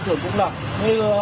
thường cũng là